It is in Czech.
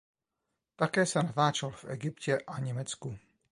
Také se natáčelo v Egyptě a Německu.